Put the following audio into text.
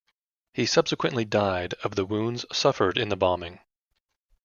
He subsequently died of the wounds suffered in the bombing.